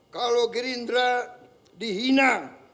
kalau gerindra dihina